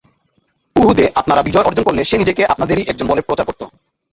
উহুদে আপনারা বিজয় অর্জন করলে সে নিজেকে আপনাদেরই একজন বলে প্রচার করত।